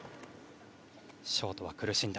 ショートは苦しんだ。